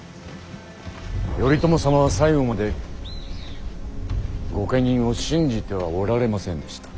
頼朝様は最後まで御家人を信じてはおられませんでした。